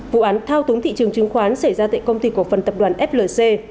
vụ án thao túng thị trường chứng khoán xảy ra tại công ty cổ phần tập đoàn flc